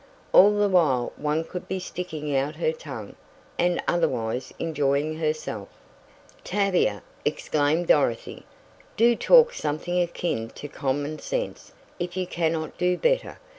All the while one could be sticking out her tongue, and otherwise enjoying herself " "Tavia!" exclaimed Dorothy. "Do talk something akin to common sense if you cannot do better.